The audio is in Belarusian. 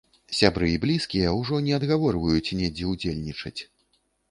Сябры і блізкія ўжо не адгаворваюць недзе ўдзельнічаць.